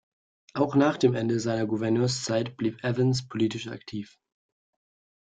Auch nach dem Ende seiner Gouverneurszeit blieb Evans politisch aktiv.